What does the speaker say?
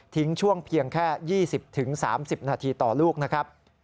ช่วงเพียงแค่๒๐๓๐นาทีต่อลูกนะครับ